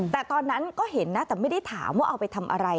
แต่ตอนนั้นก็เห็นนะแต่ไม่ได้ถามว่าเอาไปทำอะไร